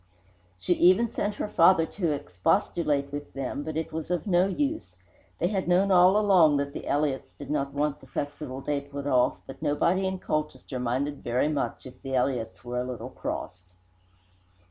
She even sent her father to expostulate with them, but it was of no use. They had known all along that the Elliotts did not want the festival day put off, but nobody in Colchester minded very much if the Elliotts were a little crossed.